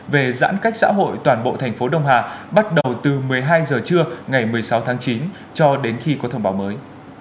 về giãn cách xã hội toàn bộ thành phố đông hà bắt đầu từ một mươi hai h trưa ngày một mươi sáu tháng chín cho đến khi có thông báo mới